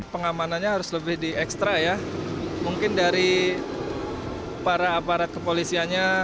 pengamanannya harus lebih di ekstra ya mungkin dari para aparat kepolisiannya